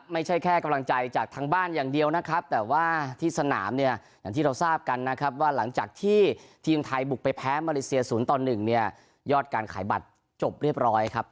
ไม่ใช่แค่กำลังใจจากทางบ้านอย่างเดียวนะครับแต่ว่าที่สนามเนี่ยอย่างที่เราทราบกันนะครับว่าหลังจากที่ทีมไทยบุกไปแพ้มาเลเซีย๐ต่อ๑เนี่ยยอดการขายบัตรจบเรียบร้อยครับ